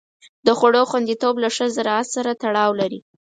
د خوړو خوندیتوب له ښه زراعت سره تړاو لري.